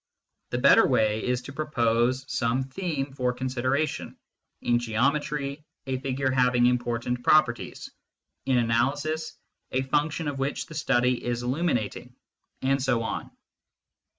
The better way is to propose some theme for consideration in geometry, a figure having important properties ; in analysis, a function of which the study is illuminating, and so on.